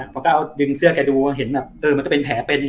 ผมก็เอาดึงเสื้อแกดูพอเห็นมันก็เป็นแผลเป็น